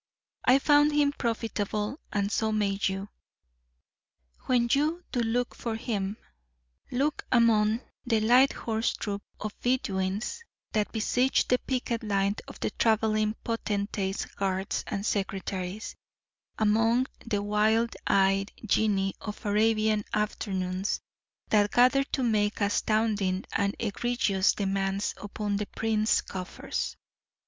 I found him profitable; and so may you. When you do look for him, look among the light horse troop of Bedouins that besiege the picket line of the travelling potentate's guards and secretaries—among the wild eyed genii of Arabian Afternoons that gather to make astounding and egregrious demands upon the prince's coffers.